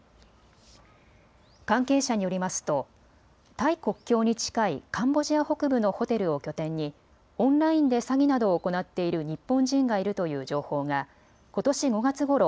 関係者によりますとタイ国境に近いカンボジア北部のホテルを拠点にオンラインで詐欺などを行っている日本人がいるという情報がことし５月ごろ